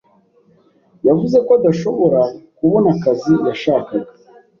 yavuze ko adashobora kubona akazi yashakaga.